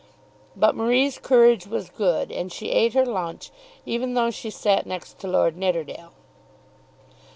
But Marie's courage was good, and she ate her lunch even though she sat next to Lord Nidderdale.